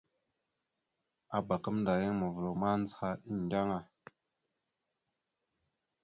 Abak gamənda yan mavəlaw mandzəha endeŋa.